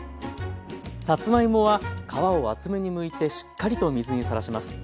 さつまいもは皮を厚めにむいてしっかりと水にさらします。